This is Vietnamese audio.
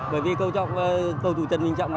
bởi vì cầu thủ trần vinh trọng